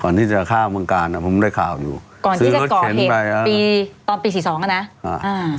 ก่อนที่จะข้าวเมืองกาลน่ะผมได้ข่าวอยู่ซื้อรถเข็นไปตอนปีสี่สองอ่ะน่ะอ่า